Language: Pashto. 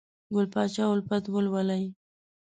ګل پاچا الفت ولولئ!